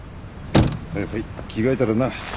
はいはい着替えたらな。